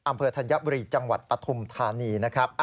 ธัญบุรีจังหวัดปฐุมธานีนะครับ